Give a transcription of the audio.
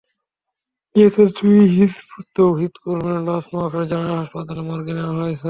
নিহত দুই হিজবুত তওহিদ কর্মীর লাশ নোয়াখালী জেনারেল হাসপাতালের মর্গে নেওয়া হয়েছে।